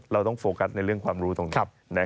เราต้องโฟกัสในเรื่องความรู้ตรงนี้